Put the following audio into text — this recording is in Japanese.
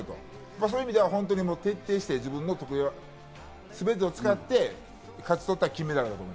そういう意味では徹底して自分の得意技全てを使って勝ち取った金メダル。